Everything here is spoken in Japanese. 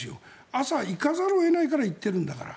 朝、行かざるを得ないから行ってるんだから。